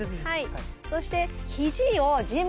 そして。